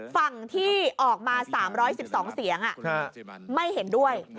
ฝั่งที่ออกมา๓๑๒เสียงไม่เห็นด้วย